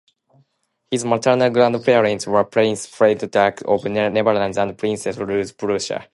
His maternal grandparents were Prince Frederick of the Netherlands and Princess Louise of Prussia.